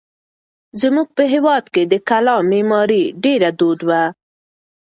زموږ په هېواد کې د کلا معمارۍ ډېره دود وه.